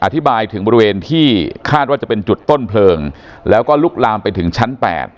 อธิบายถึงบริเวณที่คาดว่าจะเป็นจุดต้นเพลิงแล้วก็ลุกลามไปถึงชั้น๘